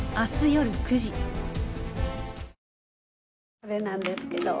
これなんですけど。